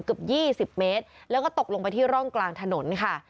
เกือบ๒๐เมตรแล้วก็ตกลงไปที่ร่องกลางถนนค่ะ